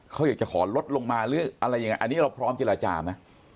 เขาอยากจะขอลดลงมาหรืออะไรยังไงอันนี้เราพร้อมเจรจาไหม